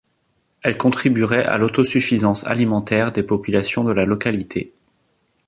Elle contribuerait à l’autosuffisance alimentaire des populations de la localité.